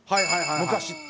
昔って。